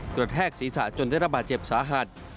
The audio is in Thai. กระแทกศีรษะจนได้รับบาดเจ็บสาหัส